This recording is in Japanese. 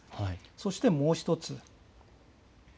そしてもう１つ。